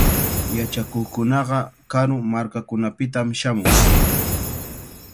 Yachakuqkunaqa karu markakunapitami shamun.